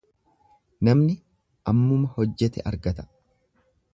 Namni ammuma hojjete argata.